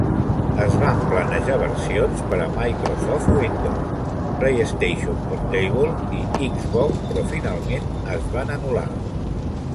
Es van planejar versions per a Microsoft Windows, PlayStation Portable i Xbox però finalment es van anul·lar.